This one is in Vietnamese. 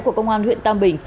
của công an huyện tam bình